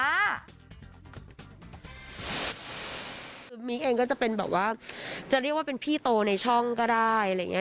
คือมิ๊กเองก็จะเป็นแบบว่าจะเรียกว่าเป็นพี่โตในช่องก็ได้อะไรอย่างนี้